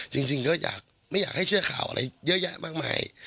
จริงก็ไม่อยากให้เชื่อข่าวอะไรเยอะแยะมากมาย